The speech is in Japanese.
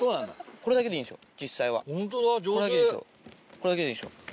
これだけでいいんですよ。